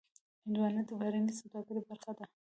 هندوانه د بهرنۍ سوداګرۍ برخه ده.